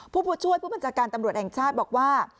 ผู้ช่วยผู้บัญชาการตำรวจแห่งชาติบอกว่า